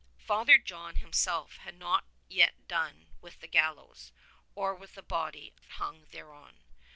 Father John himself had not yet done with the gallows, or with the body that hung thereon.